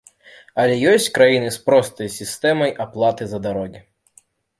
Але ёсць краіны з простай сістэмай аплаты за дарогі.